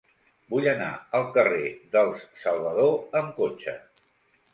Vull anar al carrer dels Salvador amb cotxe.